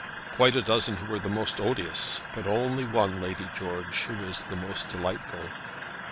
"Quite a dozen who are the most odious, but only one, Lady George, who is the most delightful."